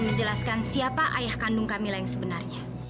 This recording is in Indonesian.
terima kasih bu ambar